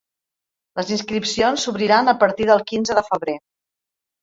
Les inscripcions s’obriran a partir del quinze de febrer.